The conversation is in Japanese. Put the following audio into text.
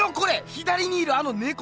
左にいるあの猫！